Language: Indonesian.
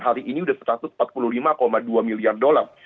hari ini sudah satu ratus empat puluh lima dua miliar dolar